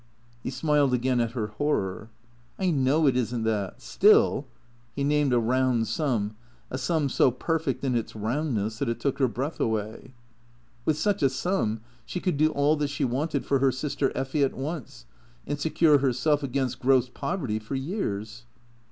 He smiled again at her horror. " I know it is n't that. Still " He named a round sum, a sum so perfect in its roundness that it took her breath away. With such a sum she could do all that she Avanted for her sister Effy at once, and secure herself against gross poverty for years.